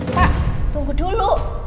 pak tunggu dulu